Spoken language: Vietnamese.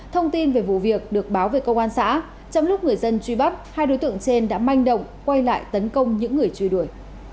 thông tin về vụ việc được báo về công an xã trong lúc người dân truy bắt hai đối tượng trên đã manh động quay lại tấn công những người truy đuổi